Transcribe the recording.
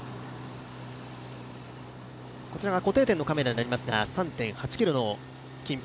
固定点のカメラになりますが、３．８ｋｍの近辺。